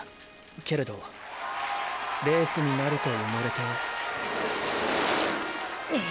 けれどーーレースになるとうもれてっ！